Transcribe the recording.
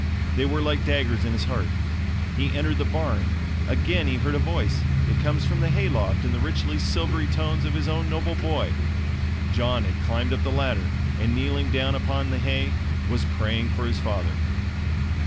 They were like daggers in his heart. He entered the barn. Again he hears a voice. It comes from the hay loft, in the rich silvery tones of his own noble boy. John had climbed up the ladder, and kneeling down upon the hay WAS PRAYING FOR HIS FATHER.